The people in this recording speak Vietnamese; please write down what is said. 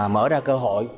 mở ra cơ hội